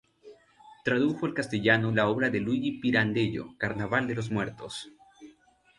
Tradujo al castellano la obra de Luigi Pirandello "Carnaval de los muertos".